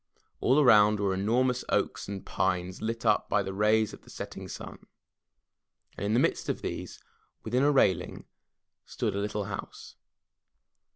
All around were enormous oaks and pines lit up by the rays of the setting sun. And in the midst of these, within a railing, stood a little house.